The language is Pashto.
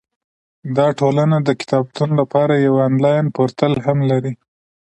دا ټولنه د کتابتون لپاره یو انلاین پورتل هم لري.